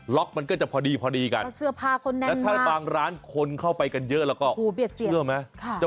ล็อกมันก็จะพอดีกันแล้วถ้าบางร้านคนเข้าไปกันเยอะแล้วก็เชื่อมั้ย